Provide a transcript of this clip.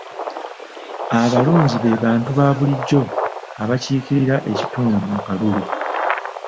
Abalonzi be bantu baabulijjo abakiikirira ekitundu mu kalulu.